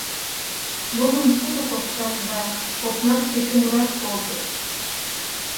Нуным шудо кошташ да копнашке чумыраш колтышт